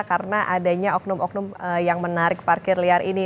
karena adanya oknum oknum yang menarik parkir liar ini